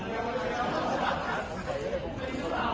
ขอบคุณภาพให้กับคุณผู้ฝ่าย